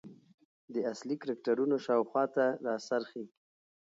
د اصلي کرکترونو شاخواته راڅرخي .